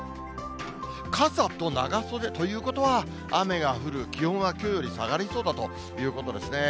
傘と長袖ということは、雨が降る、気温はきょうより下がりそうだということですね。